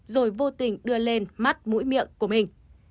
rồi vô tình đưa lên mắt mũi miệng của mình